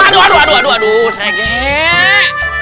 aduh aduh aduh